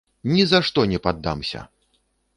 Ні за што не паддамся!